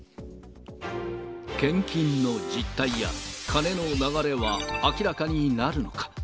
献金の実態や、カネの流れは明らかになるのか。